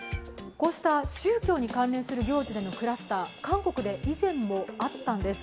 こうした宗教に関連する行事でのクラスター、韓国で以前もあったんです。